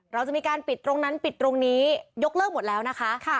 เราจะมีการปิดตรงนั้นปิดตรงนี้ยกเลิกหมดแล้วนะคะ